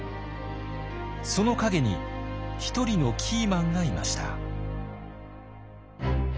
その陰に一人のキーマンがいました。